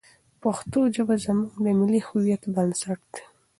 پښتو ژبه زموږ د ملي هویت بنسټ دی.